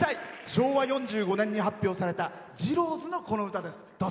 昭和４５年に発表されたジローズの、この歌です。